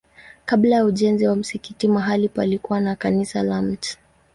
Kabla ya ujenzi wa msikiti mahali palikuwa na kanisa la Mt.